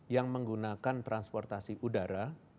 yang menggunakan transportasi udara